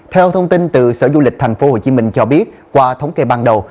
theo thông tin từ sở du lịch tp hcm cho biết qua thống kê ban đầu